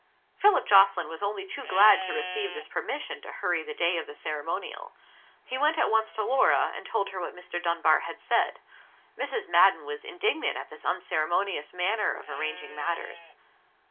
Philip Jocelyn was only too glad to receive this permission to hurry the day of the ceremonial. He went at once to Laura, and told her what Mr. Dunbar had said. Mrs. Madden was indignant at this unceremonious manner of arranging matters.